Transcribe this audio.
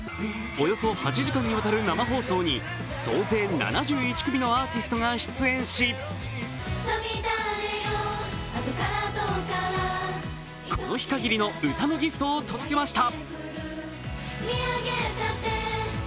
およそ８時間にわたる生放送に総勢７１組のアーティストが出演しこの日限りの歌のギフトを届けました。